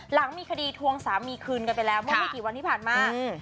หลังมีคดีทวงสามีคืนกันไปแล้วเมื่อไม่กี่วันที่ผ่านมา